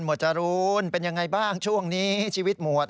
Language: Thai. หมวดจรูญเป็นอย่างไรบ้างช่วงนี้ชีวิตหมวด